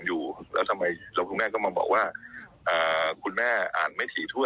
อืม